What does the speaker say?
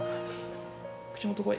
口元来い！